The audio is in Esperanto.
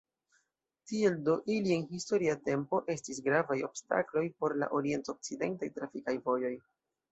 Tiel do ili en historia tempo estis gravaj obstakloj por la orient-okcidentaj trafikaj vojoj.